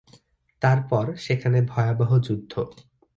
তারপর সেখানে ভয়াবহ যুদ্ধ।